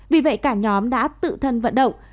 vì vậy cả nhóm đã tự thân vận động